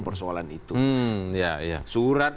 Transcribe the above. persoalan itu surat